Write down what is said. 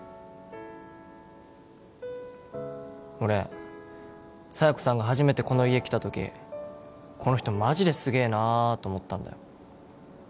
俺佐弥子さんが初めてこの家来た時この人マジですげえなあと思ったんだよ